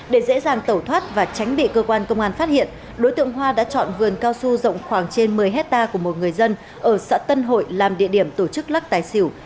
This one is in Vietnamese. để dễ dàng tẩu thoát và tránh bị cơ quan công an phát hiện đối tượng hoa đã chọn vườn cao su rộng khoảng trên một mươi hectare của một người dân ở xã tân hội làm địa điểm tổ chức lắc tài xỉu